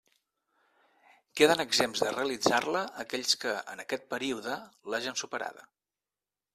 Queden exempts de realitzar-la aquells que, en aquest període, l'hagen superada.